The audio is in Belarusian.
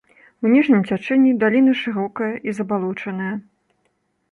У ніжнім цячэнні даліна шырокая і забалочаная.